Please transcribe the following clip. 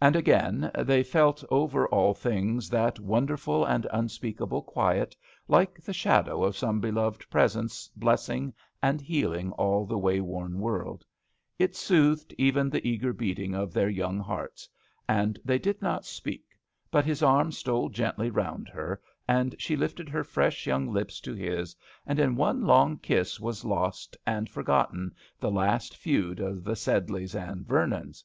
And again they felt over all things that wonderful and un* speakable quiet, like the shadow of some beloved presence bless ing and healing all the way worn world. It soothed even the eager beating of their young hearts ; they did not speak, but his arm stole gently round her, and she lifted her fresh young lips to his, and in one long kiss 17a OKANMY LOVELOCK AT BOUK. was lost and foi^otteo the last feud of the Sedteys and Vernons.